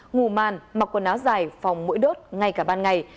ngủ màn mặc quần áo dài phòng mũi đốt ngay cả ban ngày